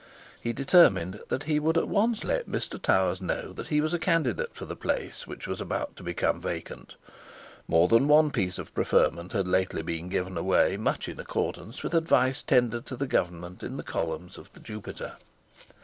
He determined that he would at once let Mr Towers know that he was a candidate for the place which was about to be become vacant. More than one place of preferment had lately been given away much in accordance with advice tendered to the government in the columns of the Jupiter.